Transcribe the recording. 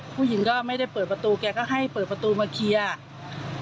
ผู้หญิงก็ไม่ได้เปิดประตูแกก็ให้เปิดประตูมาเคลียร์